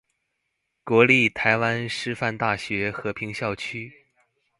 國立臺灣師範大學和平校區